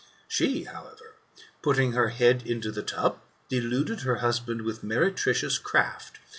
She, however, putting her head into the tub, deluded her husband with meretricious craft.